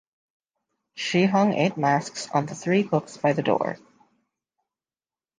She hung eight masks on the three hooks by the door.